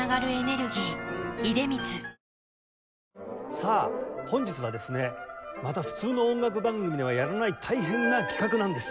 さあ本日はですねまた普通の音楽番組ではやらない大変な企画なんです。